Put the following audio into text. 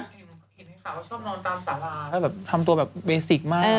เขาชอบนอนตามสาราแล้วแบบทำตัวแบบเวสิกมาก